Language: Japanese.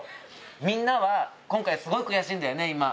みんなは今回、すごい悔しいんだよね、今。